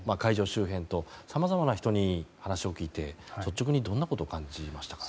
周辺とさまざまな人に話を聞いて率直にどんなことを感じましたか。